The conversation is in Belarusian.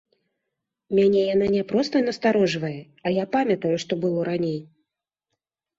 Мяне яна не проста насцярожвае, а я памятаю, што было раней.